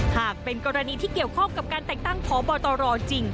หากเป็นกรณีที่เกี่ยวข้องกับการแต่งตั้งพบตรจริง